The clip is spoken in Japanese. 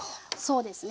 そうですね。